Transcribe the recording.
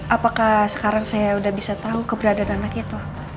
apakah sekarang saya sudah bisa tahu keberadaan anaknya tuh